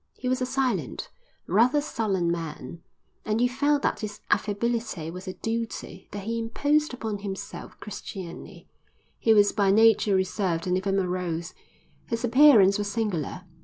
He was a silent, rather sullen man, and you felt that his affability was a duty that he imposed upon himself Christianly; he was by nature reserved and even morose. His appearance was singular.